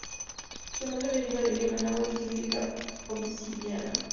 Su nombre deriva del idioma náhuatl y significa obsidiana.